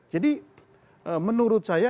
jadi menurut saya